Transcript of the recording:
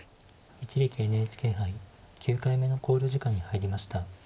一力ＮＨＫ杯９回目の考慮時間に入りました。